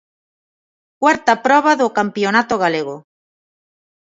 Cuarta proba do campionato galego.